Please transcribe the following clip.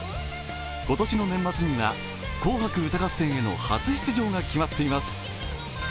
今年の年末には「紅白歌合戦」への初出場が決まっています。